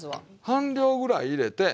半量ぐらい入れてね